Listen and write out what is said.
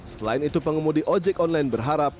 selain itu pengemudi ojek online berharap